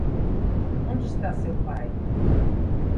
Onde está seu pai?